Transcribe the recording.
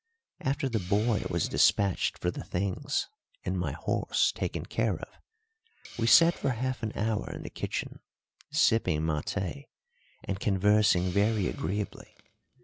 After the boy was despatched for the things and my horse taken care of, we sat for half an hour in the kitchen sipping maté and conversing very agreeably.